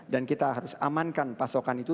kita harus amankan pasokan itu